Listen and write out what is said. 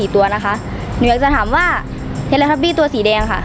มันมีด้วยกัน๔ตัวนะคะ